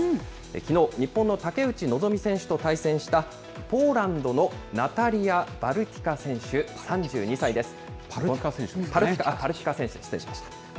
きのう、日本の竹内望選手と対戦した、ポーランドのナタリア・パパルティカ選手ですね。